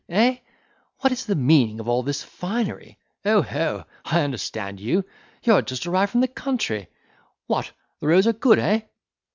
eh? What is the meaning of all this finery? Oho! I understand you. You are just arrived from the country! what, the roads are good, eh?